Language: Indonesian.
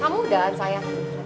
kamu dan saya